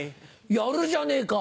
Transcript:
やるじゃねえか。